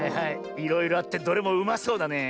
いろいろあってどれもうまそうだねえ。